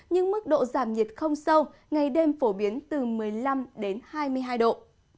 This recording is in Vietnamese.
nhưng mức độ giảm nhiệt không sâu ngày đêm phổ biến từ một mươi năm đến hai mươi hai độ